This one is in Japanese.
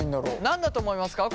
何だと思いますか？